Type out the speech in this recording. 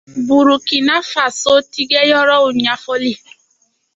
• Burukina Faso tigɛyɔrɔw ɲafɔli